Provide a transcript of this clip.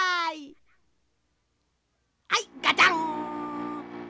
はいガチャン！